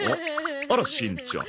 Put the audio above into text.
あらしんちゃん。